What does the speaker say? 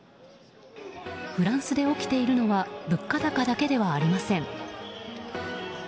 フランスで起きているのは物価高だけではありません。